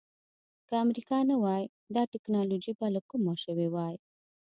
که امریکا نه وای دا ټکنالوجي به له کومه شوې وای.